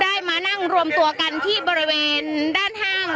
มานั่งรวมตัวกันที่บริเวณด้านห้าง